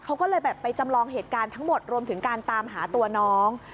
เขาก็เลยแบบไปจำลองเหตุการณ์ทั้งหมดรวมถึงการตามหาตัวน้อง